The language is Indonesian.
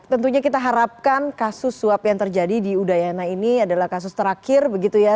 tentunya kita harapkan kasus suap yang terjadi di udayana ini adalah kasus terakhir begitu ya